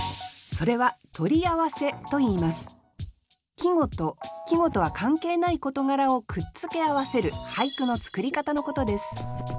季語と季語とは関係ない事柄をくっつけ合わせる俳句の作り方のことです